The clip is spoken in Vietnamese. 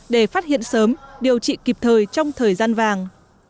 để phát hiện sớm điều trị kịp thời trong thời gian vàng